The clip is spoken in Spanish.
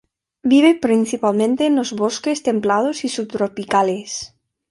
Vive principalmente en los bosques templados y subtropicales.